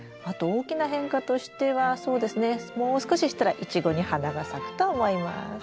あと大きな変化としてはそうですねもう少ししたらイチゴに花が咲くと思います。